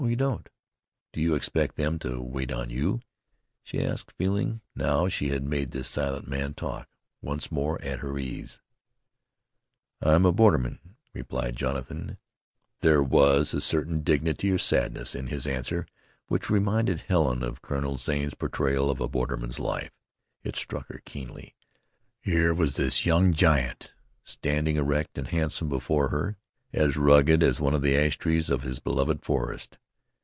"Oh, you don't? Do you expect them to wait on you?" she asked, feeling, now she had made this silent man talk, once more at her ease. "I am a borderman," replied Jonathan. There was a certain dignity or sadness in his answer which reminded Helen of Colonel Zane's portrayal of a borderman's life. It struck her keenly. Here was this young giant standing erect and handsome before her, as rugged as one of the ash trees of his beloved forest.